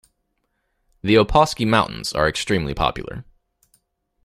The Opawskie Mountains are extremely popular.